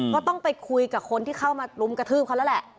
ก็ต้องไปคุยกับคนที่เข้ามารุมกระทืบเขาแล้วแหละ